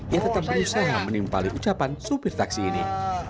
ia tetap berusaha menimpali ucapan supir taksi ini